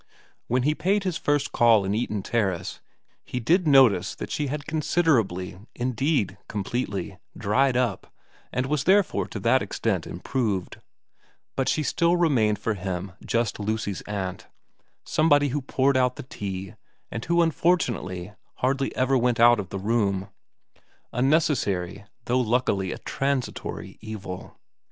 When he paid his first call in Eaton Terrace he did notice that she had con siderably, indeed completely, dried up, and was there fore to that extent improved, but she still remained for him just Lucy's aunt, somebody who poured out the tea, and who unfortunately hardly ever went out of the room ; a necessary, though luckily a transitory, evil.